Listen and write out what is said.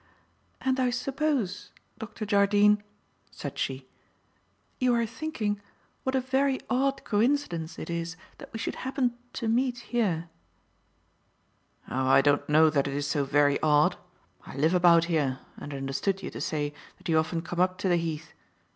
"And I suppose. Dr. Jardine," said she, "you are thinking what a very odd coincidence it is that we should happen to meet here?" "Oh, I don't know that it is so very odd. I live about here and I understood you to say that you often come up to the Heath.